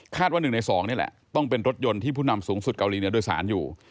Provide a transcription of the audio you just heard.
ว่า๑ใน๒นี่แหละต้องเป็นรถยนต์ที่ผู้นำสูงสุดเกาหลีเหนือโดยสารอยู่